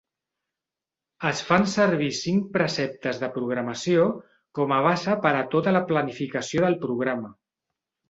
Es fan servir cinc preceptes de programació com a base per a tota la planificació del programa.